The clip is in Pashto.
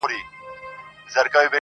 « لکه شمع په خندا کي مي ژړا ده -